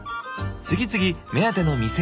次々目当ての店を回る。